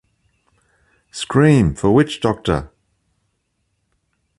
Scream for witch doctor!